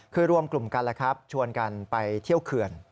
คือรวมกลุ่มกันแล้วครับชวนกันไปเที่ยวเขื่อน